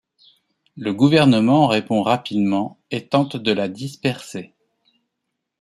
Le gouvernement répond rapidement et tente de la disperser.